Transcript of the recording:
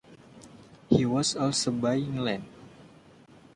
He was also buying land.